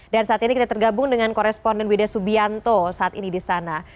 dan saat ini kita tergabung dengan koresponden wida subianto saat ini di sana